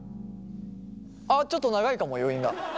あっちょっと長いかも余韻が。